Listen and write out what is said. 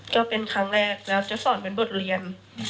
ก็เป็นครั้งแรกแล้วจะสอนเป็นบทเรียน